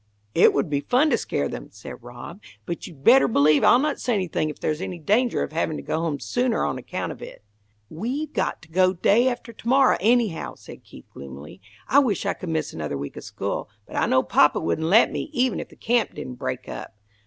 "It would be fun to scare them," said Rob, "but you'd better believe I'll not say anything if there's any danger of having to go home sooner on account of it." "We've got to go day after to morrow anyhow," said Keith, gloomily. "I wish I could miss another week of school, but I know papa wouldn't let me, even if the camp didn't break up."